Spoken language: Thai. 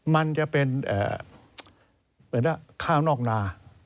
มันจะเป็นเหมือนกับข้าวนอกนา